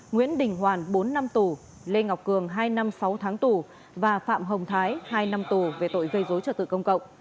nguyễn đình hoàn bốn năm tù lê ngọc cường hai năm sáu tháng tù và phạm hồng thái hai năm tù về tội gây dối trật tự công cộng